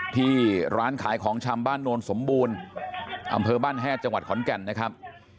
ที่ร้านขายของชำบ้านโนนสมบูรณ์อำเภอบ้านแฮดจังหวัดขอนแก่นนะครับ